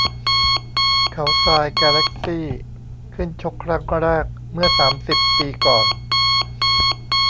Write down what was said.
เขาทราย แกแล็คซี่ ขึ้นชกครั้งแรกเมื่อสามสิบปีก่อน